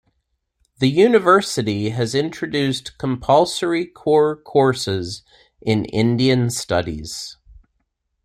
The university has introduced compulsory core courses in Indian studies.